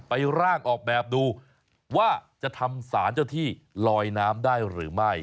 ร่างออกแบบดูว่าจะทำสารเจ้าที่ลอยน้ำได้หรือไม่